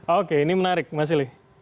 oke ini menarik mas silih